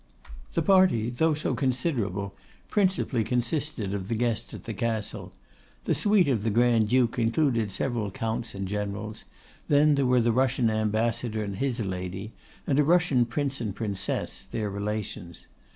The party, though so considerable, principally consisted of the guests at the Castle. The suite of the Grand duke included several counts and generals; then there were the Russian Ambassador and his lady; and a Russian Prince and Princess, their relations.